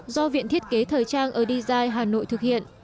do viện thiết kế thời trang ở dji hà nội thực hiện